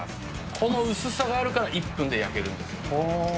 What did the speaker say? この薄さがあるから、１分で焼けるんですよ。